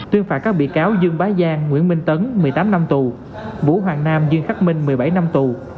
tuyên phạt các bị cáo dương bái giang nguyễn minh tấn một mươi tám năm tù vũ hoàng nam dương khắc minh một mươi bảy năm tù